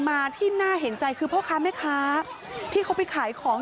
มาที่น่าเห็นใจคือพ่อค้าแม่ค้าที่เขาไปขายของ